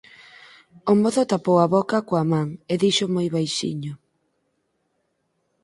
O mozo tapou a boca coa man e dixo moi baixiño